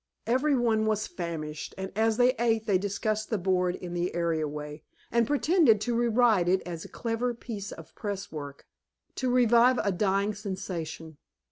Every one was famished, and as they ate they discussed the board in the area way, and pretended to deride it as a clever bit of press work, to revive a dying sensation.